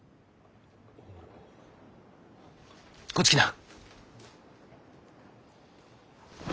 こっち来な。